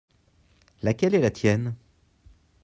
Laquelle est la tienne ?